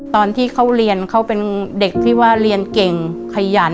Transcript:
ตอนที่เขาเรียนเขาเป็นเด็กที่ว่าเรียนเก่งขยัน